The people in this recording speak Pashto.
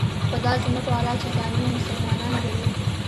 خو دا زموږ والا چې ځانونه مسلمانان ګڼي.